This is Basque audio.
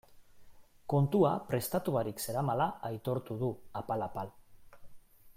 Kontua prestatu barik zeramala aitortu du apal-apal.